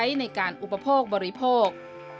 ไว้ใช้ในการอุปโภคบริโภค